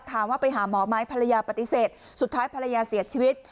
ถามว่าไปหาหมอไหมภรรยาปฏิเสธสุดท้ายภรรยาเสียชีวิต